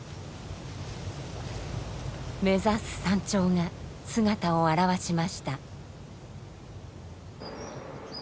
目指す山頂が姿を現しました。